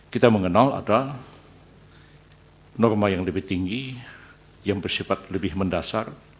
kita mengenal ada norma yang lebih tinggi yang bersifat lebih mendasar